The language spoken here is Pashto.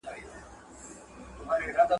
څېړونکو وویل، دا د رنګ پېژندنې پرمختګ دی.